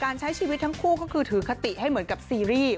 ใช้ชีวิตทั้งคู่ก็คือถือคติให้เหมือนกับซีรีส์